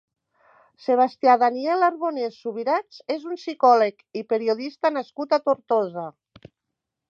Sebastià-Daniel Arbonés Subirats és un psicòleg i periodista nascut a Tortosa.